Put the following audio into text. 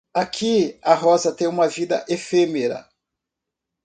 Aqui a rosa tem uma vida efêmera.